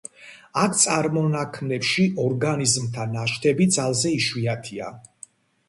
ამ წარმონაქმნებში ორგანიზმთა ნაშთები ძალზე იშვიათია.